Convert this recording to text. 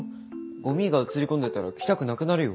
ゴミが映り込んでたら来たくなくなるよ。